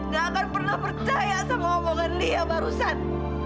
gak akan pernah percaya sama omongan dia barusan